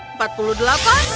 empat puluh delapan